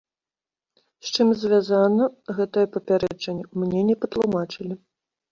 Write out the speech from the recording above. З чым звязана гэтае папярэджанне, мне не патлумачылі.